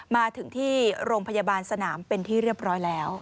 มาถึงที่โรงพยาบาลสนามเป็นที่เรียบร้อยแล้ว